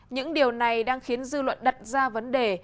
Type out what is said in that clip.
những điều này đang khiến dư luận đặt ra vấn đề